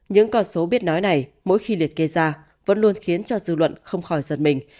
những con số biết nói này mỗi khi liệt kê ra vẫn luôn khiến cho dư luận không khỏi giật mình